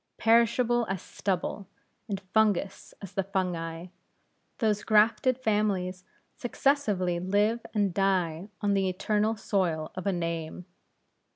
Perishable as stubble, and fungous as the fungi, those grafted families successively live and die on the eternal soil of a name.